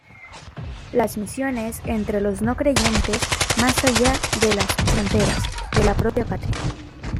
Las misiones entre los no-creyentes, "más allá de las fronteras" de la propia patria.